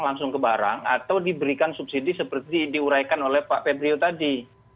langsung ke barang atau diberikan subsidi seperti diuraikan oleh pak febrio tadi